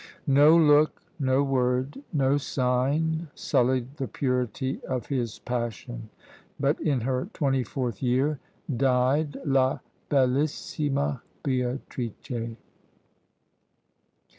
No look, no word, no sign, sullied the purity of his passion; but in her twenty fourth year died "la bellissima Beatrice."